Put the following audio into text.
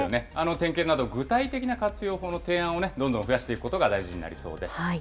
点検など具体的な活用法の提案をどんどん増やしていくことが大事になりそうです。